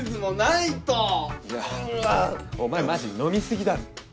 いやお前マジ飲み過ぎだろ。